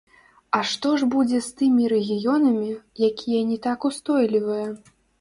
А што ж будзе з тымі рэгіёнамі, якія не так устойлівыя?